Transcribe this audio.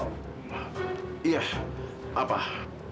kak sebenarnya taufan itu siapa sih